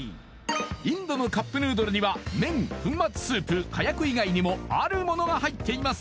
インドのカップヌードルには麺・粉末スープ・かやく以外にもある物が入っています